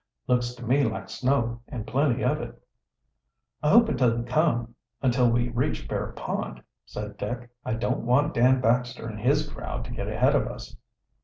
"Looks to me like snow, an plenty of it." "I hope it doesn't come until we reach Bear Pond," said Dick, "I don't want Dan Baxter and his crowd to get ahead of us."